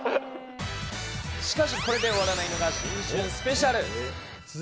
しかし、これで終わらないのが新春スペシャル。